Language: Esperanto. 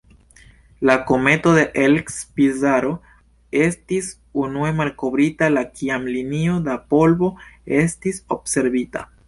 La kometo de Elst-Pizarro estis unue malkovrita la kiam linio da polvo estis observita.